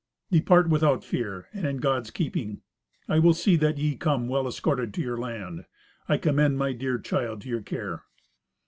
"Depart without fear, and in God's keeping. I will see that ye come well escorted to your land. I commend my dear child to your care."